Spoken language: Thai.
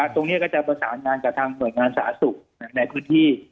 ตรงนี้จะสาเรียงทำเป็นสหสมในพื้นที่